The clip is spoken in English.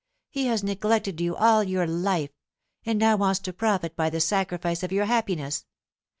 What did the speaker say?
"He has neglected you all your life, and now wants to profit by the sacrifice of your happiness.